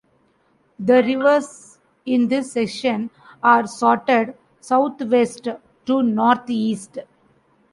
The rivers in this section are sorted south-west to north-east.